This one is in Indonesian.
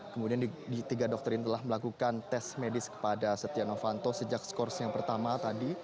kemudian di tiga dokter ini telah melakukan tes medis kepada setia novanto sejak skors yang pertama tadi